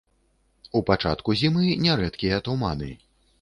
У пачатку зімы нярэдкія туманы.